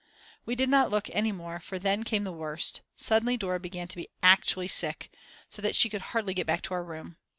We did not look any more for then came the worst, suddenly Dora began to be actually sick, so that she could hardly get back to our room.